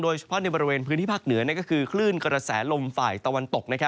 เฉพาะในบริเวณพื้นที่ภาคเหนือนั่นก็คือคลื่นกระแสลมฝ่ายตะวันตก